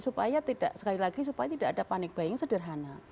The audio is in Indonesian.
supaya tidak sekali lagi supaya tidak ada panik bayi yang sederhana